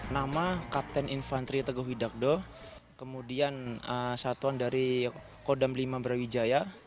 nama kapten infantri teguh widakdo kemudian satuan dari kodam lima brawijaya